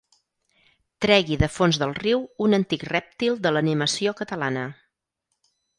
Tregui de fons del riu un antic rèptil de l'animació catalana.